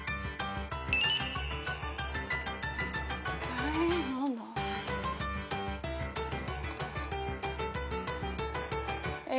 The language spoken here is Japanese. え何だ？え？